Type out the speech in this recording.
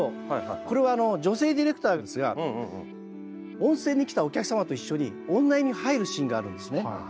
これは女性ディレクターですが温泉に来たお客様と一緒に女湯に入るシーンがあるんですね。